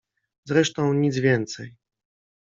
Zresztą nic więcej.